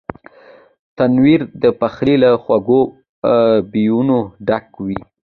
تنور د پخلي له خوږو بویونو ډک وي